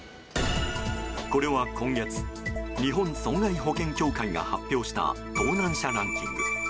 これは今月日本損害保険協会が発表した盗難車ランキング。